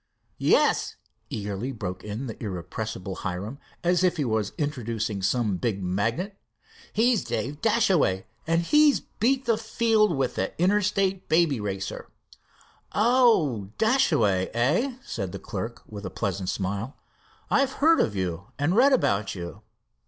"Yes," eagerly broke in the irrepressible Hiram, as if he was introducing some big magnate, "he's Dave Dashaway, and he's beat the field with the Interstate Baby Racer." "Oh, Dashaway, eh?" said the clerk, with a pleasant smile. "I've heard of you and read about you."